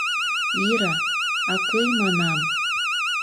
Ира... акый манам...